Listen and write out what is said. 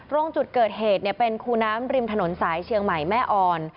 ตรงจุดเกิดเหตุเป็นคูน้ำริมถนนสายเชียงใหม่แม่อ่อน